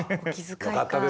よかったです。